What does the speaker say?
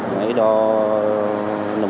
máy đo nồng độ cồn